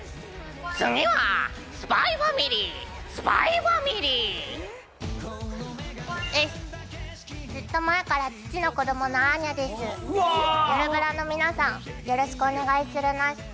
次は「ＳＰＹ×ＦＡＭＩＬＹ」「ＳＰＹ×ＦＡＭＩＬＹ」うぃずっとまえからちちのこどものアーニャです「よるブラ」の皆さんよろしくお願いするなす